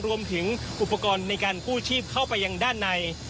รวมถึงอุปกรณ์ในการกู้ชีพเข้าไปยังด้านใน